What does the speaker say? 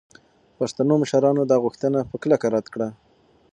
پښتنو مشرانو دا غوښتنه په کلکه رد کړه.